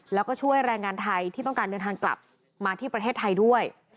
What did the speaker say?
แล้วก็ช่วยแรงงานไทยที่ต้องการเดินทางกลับมาที่ประเทศไทยด้วย